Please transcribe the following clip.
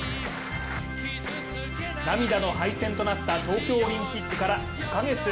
涙の敗戦となった東京オリンピックから５カ月。